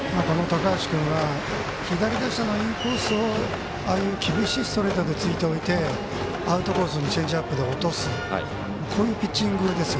高橋君は左打者のインコースを厳しいストレートでついておいてアウトコースにチェンジアップで落とす。